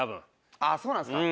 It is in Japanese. ああそうなんですか？